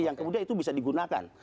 yang kemudian itu bisa digunakan